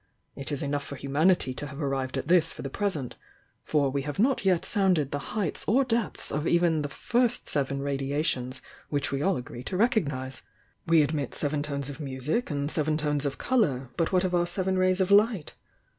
It is enough for humanity to have arrived at this for the present — for we have not yet sounded the heights or depths of even the pit Seven radia tions which we all ajree to recognise. We admit seven tones of music, and seven tones of colour, but what of our seven rays of light?